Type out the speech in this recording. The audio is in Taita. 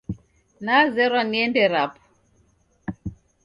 Nazerwa niende rapo